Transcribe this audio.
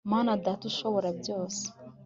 mana data ushobora byose